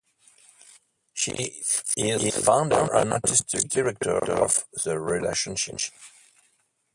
She is founder and Artistic Director of The Relationship.